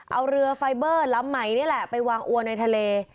เอาเรือไฟเบอร์ล้ำใหม่นี่แหละไปวางอัวในทะเล